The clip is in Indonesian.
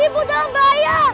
ibu dalam bahaya